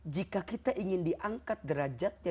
jika kita ingin diangkat derajatnya